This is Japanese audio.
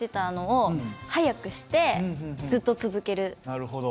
なるほど。